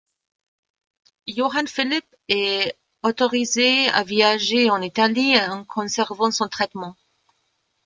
Johann Philipp est autorisé à voyager en Italie en conservant son traitement.